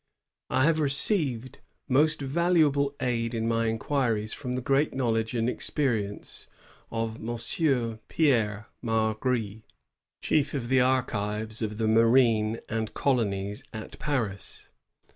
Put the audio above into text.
^ I have received most valuable aid in my inqui ries from the great knowledge and experience of M. Pierre Margry, Chief of the Archives of the Marine and Colonies at Paris.